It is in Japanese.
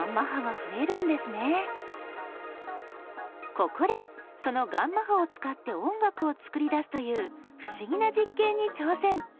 ここでそのガンマ波を使って音楽をつくり出すという不思議な実験に挑戦！